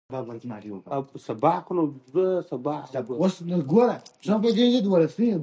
دریابونه د افغانانو د ژوند طرز اغېزمنوي.